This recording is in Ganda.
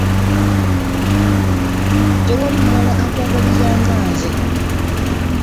Tewali mulala akwagaliza nga nze.